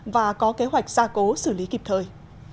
và có kế hoạch gia cố xử lý kịp thời